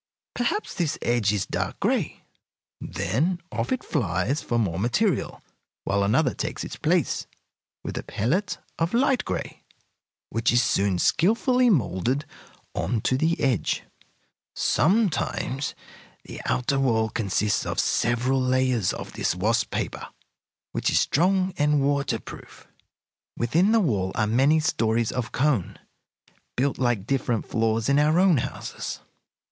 Perhaps this edge is dark gray. Then off it flies for more material, while another takes its place with a pellet of light gray, which is soon skilfully moulded on to the edge. Sometimes the outer wall consists of several layers of this wasp paper, which is strong and waterproof. Within the wall are many stories of cone, built like different floors in our own houses.